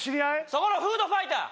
そこのフードファイター！